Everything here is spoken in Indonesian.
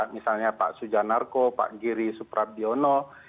misalnya pak sujanarko pak giri suprabiono